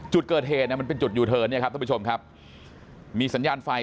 จุดเกิดเหตุนะมันเป็นจุดอยู่ท้เนี่ยครับมีสัญญาณไฟ